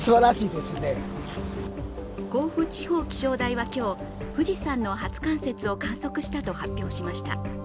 甲府地方気象台は今日、富士山の初冠雪を観測したと発表しました。